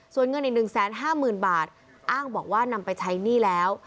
ส่วนเงินอีก๑๕๐๐๐บาทอ้างบอกว่านำไปใช้หนี้แล้ว